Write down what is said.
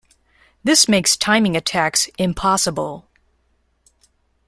This makes timing attacks impossible.